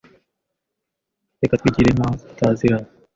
Reka twigire nkaho tutaziranye.